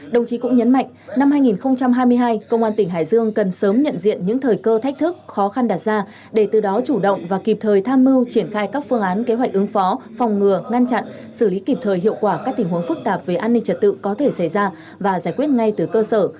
đồng chí cũng nhấn mạnh năm hai nghìn hai mươi hai công an tỉnh hải dương cần sớm nhận diện những thời cơ thách thức khó khăn đặt ra để từ đó chủ động và kịp thời tham mưu triển khai các phương án kế hoạch ứng phó phòng ngừa ngăn chặn xử lý kịp thời hiệu quả các tình huống phức tạp về an ninh trật tự có thể xảy ra và giải quyết ngay từ cơ sở